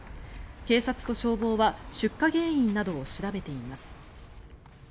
警察と消防は出火原因などを調べています。